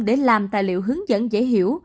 để làm tài liệu hướng dẫn dễ hiểu